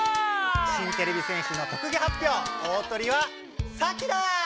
新てれび戦士の特技発表大トリはサキだ。